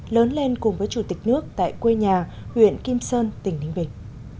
lớn lên cùng với chủ tịch nước tại quê nhà huyện kim sơn tỉnh ninh bình